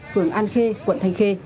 phường an khê quận thanh khê